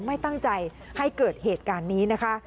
ไม่ตั้งใจให้เกิดเหตุการณ์นี้นะคะ